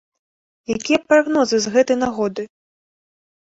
Якія прагнозы з гэтай нагоды?